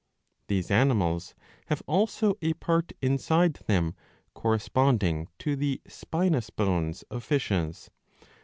These animals have also a part inside them corresponding to the spinous bones of fishes.